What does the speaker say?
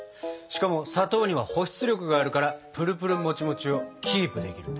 しかも砂糖には保湿力があるからプルプルもちもちをキープできるんだ。